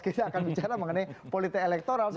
kita akan bicara mengenai politik elektoral